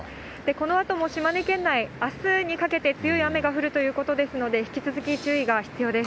このあとも島根県内、あすにかけて強い雨が降るということですので、引き続き注意が必要です。